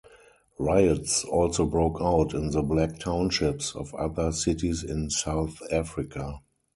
Riots also broke out in the black townships of other cities in South Africa.